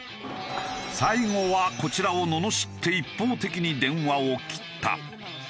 最後はこちらをののしって一方的に電話を切った。